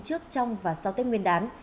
trước trong và sau tết nguyên đán